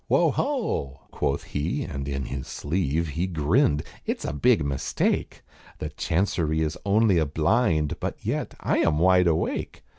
"Wo! ho!" quoth he, and in his sleeve He grinned, "It's a big mistake. The Chancerie is only a blind, But, yet, I am wide awake.